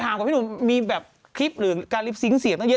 ถามกับพี่หนุ่มมีแบบคลิปหรือการลิปซิงค์เสียงตั้งเยอะ